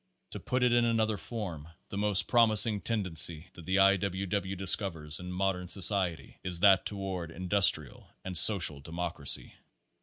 To Page Forty six put it in another form : The most promising tendency that the I. W. W. discovers in modern society is that toward Industrial and Social Democracy.